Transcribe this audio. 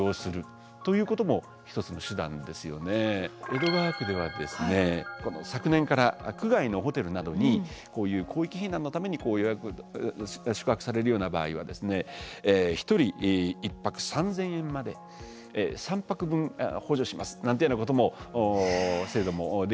江戸川区では昨年から区外のホテルなどにこういう広域避難のために宿泊されるような場合は１人１泊３，０００円まで３泊分補助しますなんていうような制度もできております。